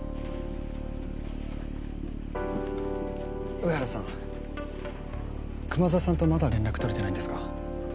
上原さん熊沢さんとまだ連絡取れてないんですか？